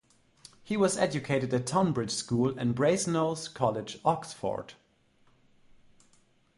He was educated at Tonbridge School and Brasenose College, Oxford.